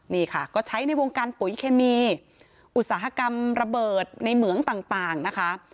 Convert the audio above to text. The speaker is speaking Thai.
นี่ค่ะก็ใช้ในวงการปุ๋ยเคมีอุตสาหกรรมระเบิดในเหมืองต่างนะคะ